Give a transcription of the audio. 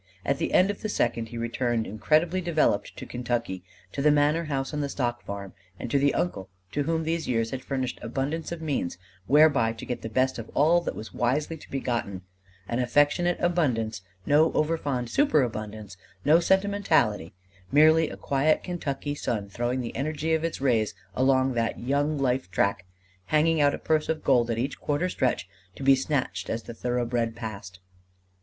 At the end of the second he returned incredibly developed to Kentucky, to the manor house and the stock farm; and to the uncle to whom these years had furnished abundance of means whereby to get the best of all that was wisely to be gotten: an affectionate abundance, no overfond super abundance, no sentimentality: merely a quiet Kentucky sun throwing the energy of its rays along that young life track hanging out a purse of gold at each quarter stretch, to be snatched as the thoroughbred passed.